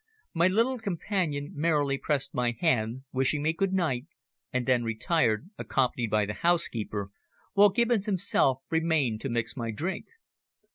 My little companion merrily pressed my hand, wishing me good night, and then retired, accompanied by the housekeeper, while Gibbons himself remained to mix my drink.